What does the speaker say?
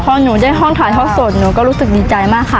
พอหนูได้ห้องถ่ายทอดสดหนูก็รู้สึกดีใจมากค่ะ